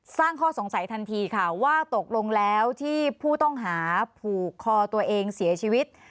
ข้อสงสัยทันทีค่ะว่าตกลงแล้วที่ผู้ต้องหาผูกคอตัวเองเสียชีวิต